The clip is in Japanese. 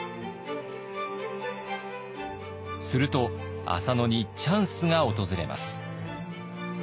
すると浅野にチャンスが訪れます。